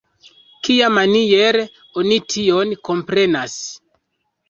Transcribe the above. Kiamaniere oni tion komprenas?